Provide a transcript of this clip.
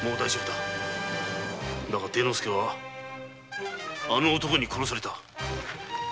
だが貞之介はあの男に殺された。